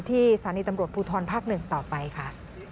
ที่สถานีตำรวจภูทรภักดิ์๑ต่อไปค่ะ